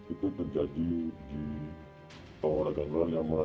itu terjadi di tol warga terlalu lama